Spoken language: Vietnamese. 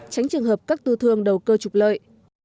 tránh trường hợp các tư thương đầu cơ trục lợi